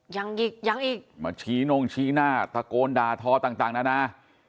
ยังอีกยังอีกมาชี้น่งชี้หน้าตะโกนด่าทอต่างนานา